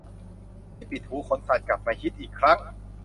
ที่ปิดหูขนสัตว์กลับมาฮิตอีกครั้ง